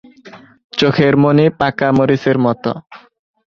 চোখের মনি পাকা মরিচের মত।